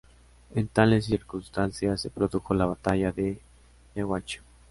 En tales circunstancias se produjo la batalla de Yaguachi.